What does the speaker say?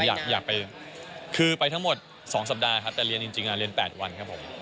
อยากไปคือไปทั้งหมด๒สัปดาห์ครับแต่เรียนจริงเรียน๘วันครับผม